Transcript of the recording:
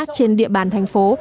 trên địa bàn thành phố